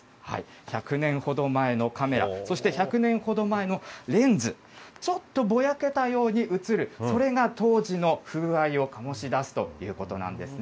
１００年ほど前のカメラ、そして１００年ほど前のレンズ、ちょっとぼやけたように写る、それが当時の風合いを醸し出すということなんですね。